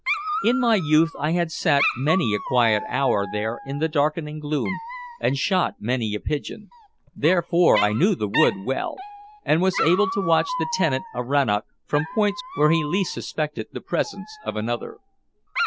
In my youth I had sat many a quiet hour there in the darkening gloom and shot many a pigeon, therefore I knew the wood well, and was able to watch the tenant of Rannoch from points where he least suspected the presence of another.